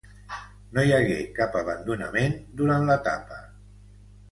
No hi hagué cap abandonament durant l'etapa.